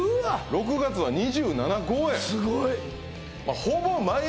６月は２７公演すごい！